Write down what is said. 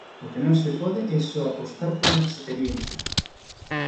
O que non se pode é só apostar pola experiencia.